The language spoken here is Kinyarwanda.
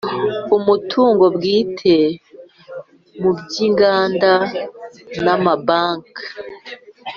umutungo bwite mu by inganda na mabanki